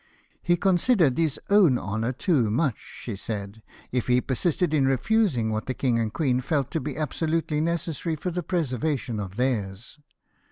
" He considered his own honour too much," she said, " if he persisted in refusing what the king and queen felt to be abso lutely necessary for the preservation of theirs."